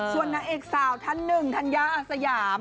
ส่วนนางเอกสาวท่านหนึ่งธัญญาอาสยาม